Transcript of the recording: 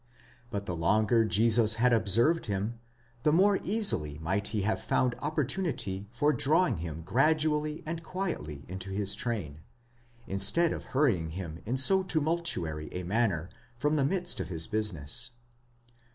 But the longer Jesus had observed him, the more easily might he have found opportunity for drawing him gradually and quietly into his train, instead of hurrying him in so tumultuary a manner from the midst of his business.